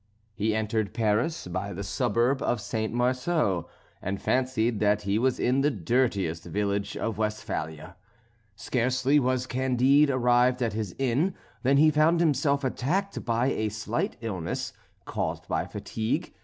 He entered Paris by the suburb of St. Marceau, and fancied that he was in the dirtiest village of Westphalia. Scarcely was Candide arrived at his inn, than he found himself attacked by a slight illness, caused by fatigue.